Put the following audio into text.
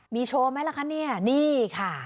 มีโชว์ไหมล่ะคะเนี่ยนี่ค่ะ